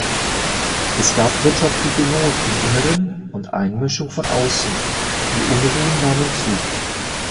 Es gab wirtschaftliche Not im Inneren und Einmischung von außen; die Unruhen nahmen zu.